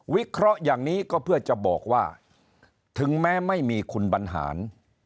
เคราะห์อย่างนี้ก็เพื่อจะบอกว่าถึงแม้ไม่มีคุณบรรหาร